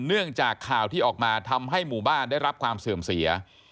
เนื่องจากข่าวที่ออกมาทำให้หมู่บ้านได้รับความเสื่อมเสีย